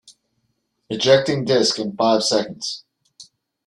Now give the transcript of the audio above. Ejecting disk in five seconds.